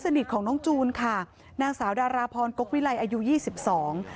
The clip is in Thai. ของน้องจูนค่ะนางสาวดาราพรกกวิไลอายุยี่สิบสอง